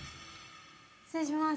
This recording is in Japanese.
・失礼します。